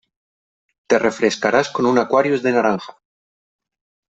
Te refrescarás con un Aquarius de naranja.